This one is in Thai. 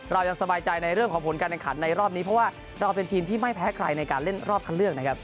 เรายังสบายใจในเรื่องของผลการแข่งขันในรอบนี้เพราะว่าเราเป็นทีมที่ไม่แพ้ใครในการเล่นรอบคันเลือกนะครับ